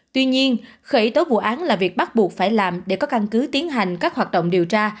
tuy nhiên khởi tố vụ án là việc bắt buộc phải làm để có căn cứ tiến hành các hoạt động điều tra